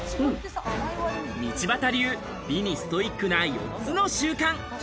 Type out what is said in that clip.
道端流、美にストイックな４つの習慣。